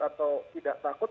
atau tidak takut